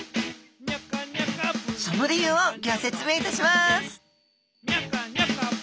その理由をギョ説明いたします！